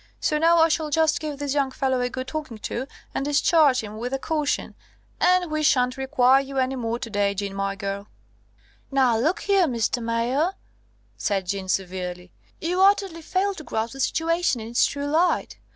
So now I shall just give this young fellow a good talking to, and discharge him with a caution; and we sha'n't require you any more to day, Jeanne, my girl." "Now, look here, Mr. Mayor," said Jeanne severely, "you utterly fail to grasp the situation in its true light.